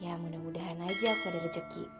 ya mudah mudahan aja aku ada rezeki